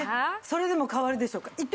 それでも変わるでしょうか。